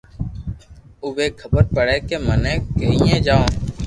اووي خبر پڙي ڪي مني ڪيئي جاو